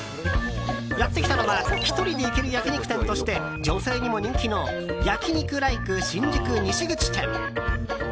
やってきたのは１人で行ける焼き肉店として女性にも人気の焼肉ライク新宿西口店。